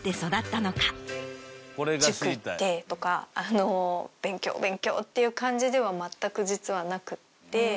「塾行って」とか「勉強勉強！」っていう感じでは全く実はなくって。